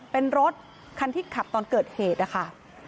เป็นรถคันที่ขับตอนเกิดเหตุนะคะ